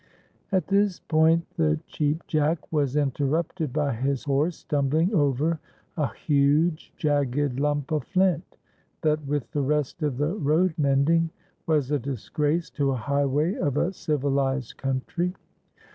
At this point the Cheap Jack was interrupted by his horse stumbling over a huge, jagged lump of flint, that, with the rest of the road mending, was a disgrace to a highway of a civilized country.